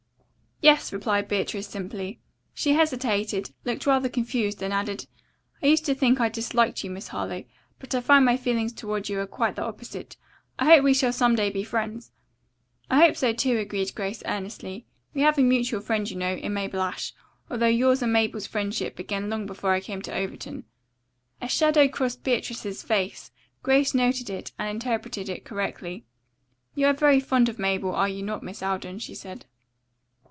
"Yes," replied Beatrice simply. She hesitated, looked rather confused, then added: "I used to think I disliked you, Miss Harlowe, but I find my feelings toward you are quite the opposite. I hope we shall some day be friends." "I hope so, too," agreed Grace earnestly. "We have a mutual friend, you know, in Mabel Ashe, although yours and Mabel's friendship began long before I came to Overton." A shadow crossed Beatrice's face. Grace noted it and interpreted it correctly. "You are very fond of Mabel, are you not, Miss Alden?" she asked.